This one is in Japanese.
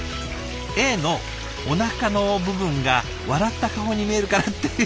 エイのおなかの部分が笑った顔に見えるからって。